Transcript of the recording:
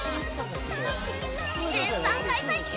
絶賛開催中